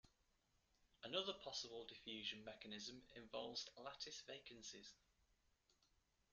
Another possible diffusion mechanism involves lattice vacancies.